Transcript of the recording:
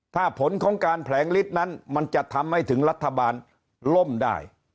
ถ้าผลของการแผลงฤทธิ์นั้นมันจะทำให้ถึงรัฐบาลล่มได้